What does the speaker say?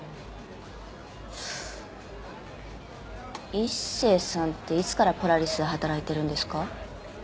一星さんっていつからポラリスで働いてるんですか？